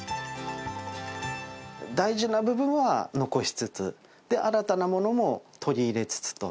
大事な部分は残しつつ、新たなものも取り入れつつと。